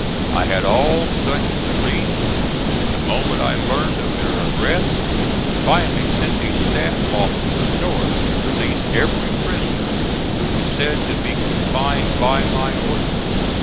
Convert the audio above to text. I had all such released the moment I learned of their arrest; and finally sent a staff officer north to release every prisoner who was said to be confined by my order.